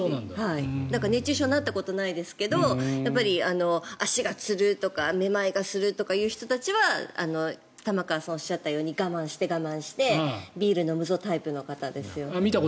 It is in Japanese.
だから、熱中症になったことないですけど足がつるとかめまいがするという人たちは玉川さんがおっしゃったように我慢して、我慢してビールを飲むぞタイプの方ですよね。